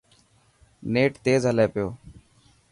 نيٽ تيز هلي پيو.